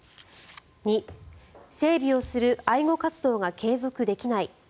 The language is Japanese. ２、整備をする愛護活動が継続できない。